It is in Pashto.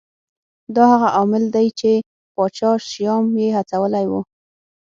دا هغه عامل دی چې پاچا شیام یې هڅولی و.